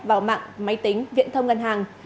vào mạng máy tính viện thông ngân hàng